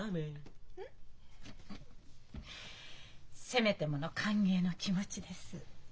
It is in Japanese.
せめてもの歓迎の気持ちです。